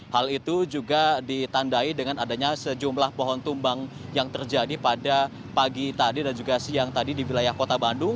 hal itu juga ditandai dengan adanya sejumlah pohon tumbang yang terjadi pada pagi tadi dan juga siang tadi di wilayah kota bandung